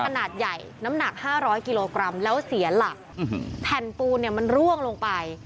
ขนาดใหญ่น้ำหนักห้าร้อยกิโลกรัมแล้วเสียหลักแผ่นปูนเนี่ยมันร่วงลงไป